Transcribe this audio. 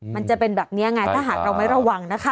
มันจะเป็นแบบนี้ไงถ้าหากเราไม่ระวังนะคะ